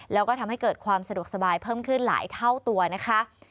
แล้วก็ทำให้เกิดความสะดวกสบายเพิ่มขึ้นหลายเท่าตัวนะคะ